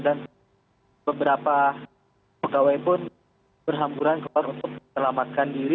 dan beberapa pegawai pun berhamburan ke luar untuk selamatkan diri